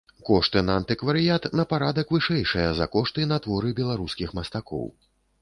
Кошты на антыкварыят на парадак вышэйшыя за кошты на творы беларускіх мастакоў.